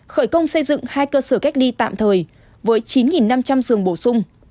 khởi công xây dựng hai cơ sở cách ly tạm thời với chín năm trăm linh giường bổ sung